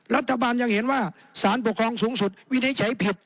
รัฐบาลยังเห็นว่าสารปกครองสูงสุดวินิจฉัยผิด